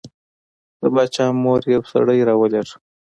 د باچا مور یو سړی راولېږه.